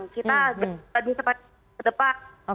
kita berdua seperti depan